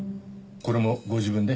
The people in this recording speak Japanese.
これもご自分で？